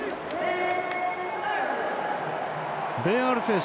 ベン・アール選手